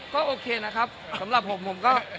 ก็โอเคนะครับสำหรับผมผมก็